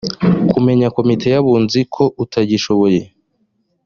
kumenya komite y‘abunzi ko utagishoboye